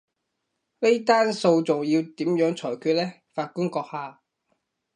呢單訴訟要點樣裁決呢，法官閣下？